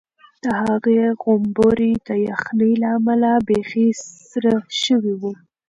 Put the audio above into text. د هغې غومبوري د یخنۍ له امله بیخي سره شوي وو.